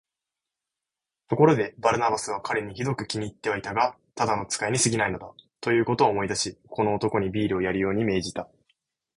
ところで、バルナバスは彼にひどく気に入ってはいたが、ただの使いにすぎないのだ、ということを思い出し、この男にビールをやるように命じた。